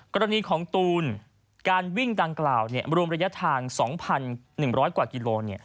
กรณีของตูนการวิ่งดังกล่าวรวมระยะทาง๒๑๐๐กว่ากิโล